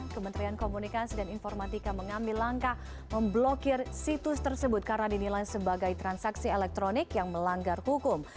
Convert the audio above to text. kementerian komunikasi dan informatika mengambil langkah memblokir situs tersebut karena dinilai sebagai transaksi elektronik yang melanggar hukum